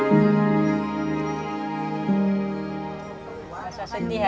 awak bisa memakai cholera di sekitar su tujuh lengkuan